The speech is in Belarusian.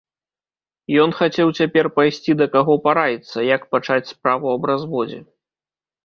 Ён хацеў цяпер пайсці да каго параіцца, як пачаць справу аб разводзе.